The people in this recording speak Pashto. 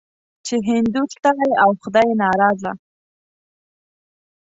چې هندو ستړی او خدای ناراضه.